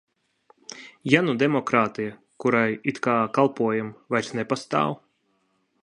Ja nu demokrātija, kurai it kā kalpojam, vairs nepastāv?